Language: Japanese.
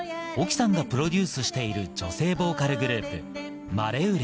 ＯＫＩさんがプロデュースしている女性ボーカルグループ、ＭＡＲＥＷＲＥＷ。